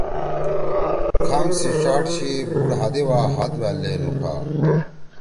کھام سی ڇاڑ چھی بوڑ ہادے وا ہاتھ وألدے نُوکھا